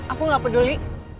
aku gak peduli